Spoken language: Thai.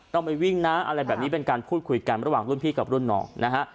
ต้องไปวิ่งนะอะไรแบบนี้เป็นการพูดคุยกันระหว่างรุ่นพี่กับรุ่นน้องนะฮะ